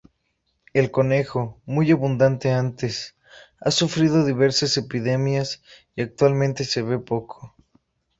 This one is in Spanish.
El conejo, muy abundante antes, ha sufrido diversas epidemias y actualmente se ve poco.